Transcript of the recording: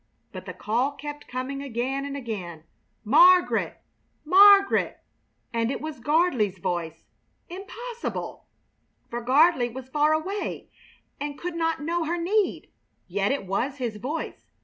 But the call kept coming again and again: "Margaret! Margaret!" and it was Gardley's voice. Impossible! For Gardley was far away and could not know her need. Yet it was his voice.